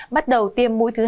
bắt đầu tiêm vaccine cho trẻ